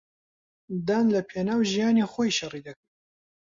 دان لەپێناو ژیانی خۆی شەڕی دەکرد.